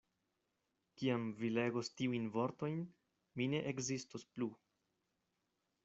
Kiam vi legos tiujn vortojn, mi ne ekzistos plu.